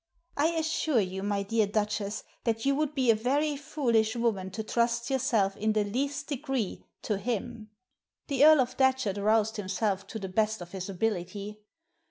I assure you, my dear Duchess, that you would be a very foolish woman to trust yourself in the least degree to him." The Earl of Datchet roused himself to the best of his ability.